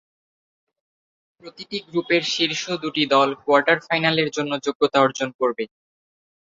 প্রতিটি গ্রুপের শীর্ষ দুটি দল কোয়ার্টার ফাইনালের জন্য যোগ্যতা অর্জন করবে।